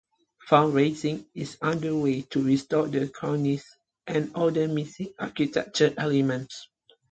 Fund raising is under way to restore the cornice and other missing architectural elements.